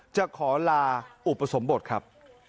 จะขอลาอุปสมบทครับ